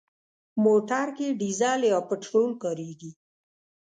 موټر کې ډيزل یا پټرول کارېږي.